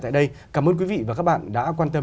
tại đây cảm ơn quý vị và các bạn đã quan tâm